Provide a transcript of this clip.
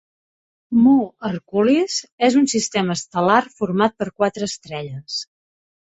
Mu Herculis és un sistema estel·lar format per quatre estrelles.